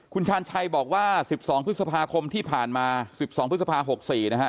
คุณชาญชัยบอกว่า๑๒พฤษภาคมที่ผ่านมา๑๒พฤษภา๖๔นะฮะ